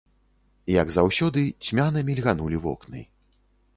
Як заўсёды, цьмяна мільганулі вокны.